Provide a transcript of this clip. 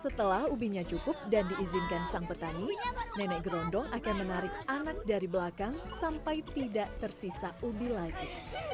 setelah ubinya cukup dan diizinkan sang petani nenek gerondong akan menarik anak dari belakang sampai tidak tersisa ubi lagi